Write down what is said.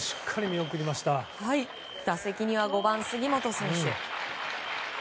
打席には５番、杉本選手。